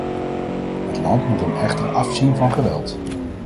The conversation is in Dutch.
Het land moet dan echter afzien van geweld!